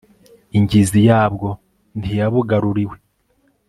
ingizi yabwo ntiyabugaruriwe